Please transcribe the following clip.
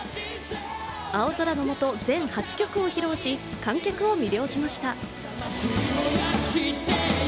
青空のもと、全８曲を披露し観客を魅了しました。